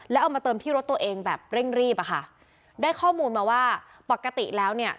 แล้วเอามาเติมที่รถตัวเองแบบเร่งรีบอะค่ะได้ข้อมูลมาว่าปกติแล้วเนี่ย